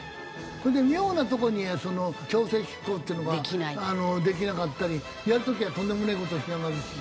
それで妙なとこに強制執行っていうのができなかったりやる時はとんでもねえ事をしやがるし。